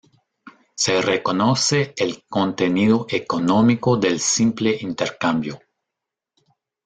Se reconoce el contenido económico del simple intercambio.